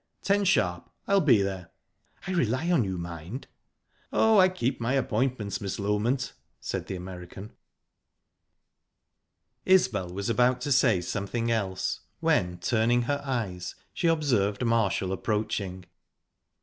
Ten sharp. I'll be there." "I rely on you, mind." "Oh, I keep my appointments, Miss Loment," said the American. Isbel was about to say something else, when turning her eyes, she observed Marshall approaching.